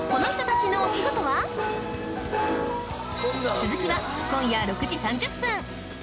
続きは今夜６時３０分